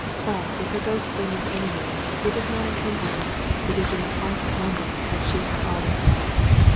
But, if her ghost lingers anywhere, it is not in Kensington: it is in the heart of the London that she had always loved.